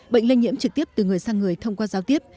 bệnh lây nhiễm trực tiếp từ người sang người thông qua giao tiếp